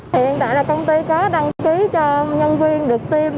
hiện tại là công ty có đăng ký cho nhân viên được tiêm